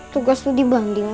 tugas tuh dibanding